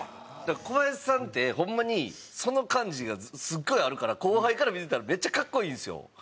コバヤシさんってホンマにその感じがすごいあるから後輩から見てたらめっちゃ格好いいんですよ。